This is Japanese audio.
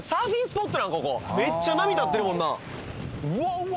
ここめっちゃ波立ってるもんなうわうわ